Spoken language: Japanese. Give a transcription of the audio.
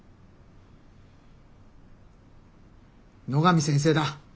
野上先生だ。